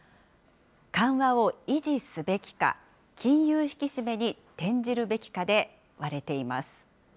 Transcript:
緩和を維持すべきか、金融引き締めに転じるべきかで割れています。